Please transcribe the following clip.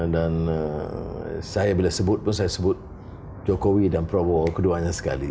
dan saya bila sebut pun saya sebut jokowi dan prabowo keduanya sekali